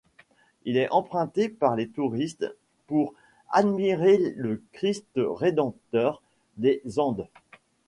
Il est emprunté par les touristes pour admirer le Christ Rédempteur des Andes.